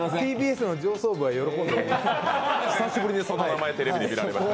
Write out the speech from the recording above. ＴＢＳの上層部は喜んでる。